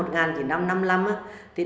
thì đồng chí trưởng